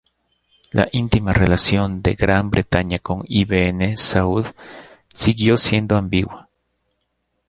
La íntima relación de Gran Bretaña con Ibn Saúd siguió siendo ambigua.